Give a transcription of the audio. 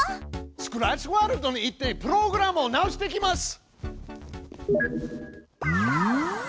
スクラッチワールドに行ってプログラムを直してきます！